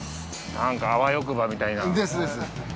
なんかあわよくばみたいな。ですです。